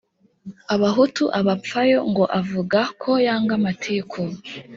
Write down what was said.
abahutu abapfayo ngo avuga ko yanga amatiku